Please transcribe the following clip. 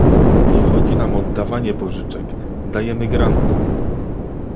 Nie chodzi nam o dawanie pożyczek, dajemy granty